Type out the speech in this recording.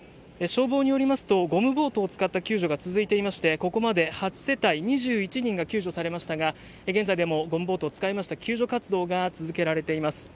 消防によりますとゴムボートを使った救助が続いてましてこれまで８世帯２１人が救助されましたが、現在もゴムボートを使った救助活動が続けられています。